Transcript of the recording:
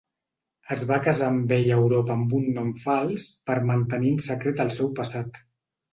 Es va casar amb ell a Europa amb un nom fals per mantenir en secret el seu passat.